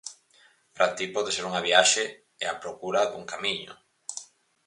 Para ti pode ser unha viaxe e a procura dun camiño.